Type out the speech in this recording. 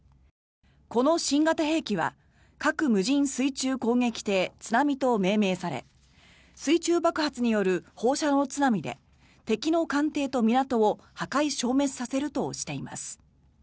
この新型兵器は核無人水中攻撃艇「津波」と命名され水中爆発による放射能津波で敵の艦艇と港を破壊・消滅させるとしています。